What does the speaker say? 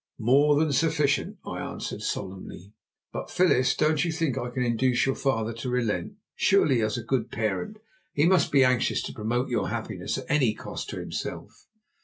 "More than sufficient," I answered solemnly. "But, Phyllis, don't you think I can induce your father to relent? Surely as a good parent he must be anxious to promote your happiness at any cost to himself?"